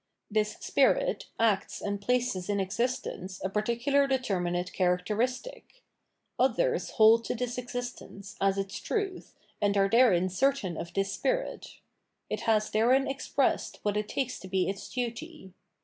This spirit acts and places in existence a particular determinate characteristic ; others hold to this existence, as its truth, and are therein certain of this spirit ; it has therein expressed what it takes to be its duty.